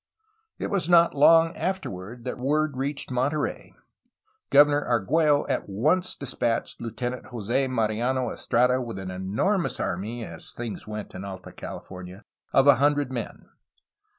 It was not long afterward that word reached Monterey. Governor Argtiello at once despatched Lieutenant Jos4 458 A HISTORY OF CALIFORNIA Mariano Estrada with an enormous army — as things went in Alta CaUfornia — of a hundred men.